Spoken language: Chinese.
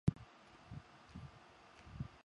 但是他人认为此是误记。